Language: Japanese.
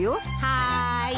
はい。